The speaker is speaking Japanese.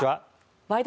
「ワイド！